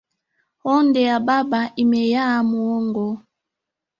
Honde a baba imeyaa muhogo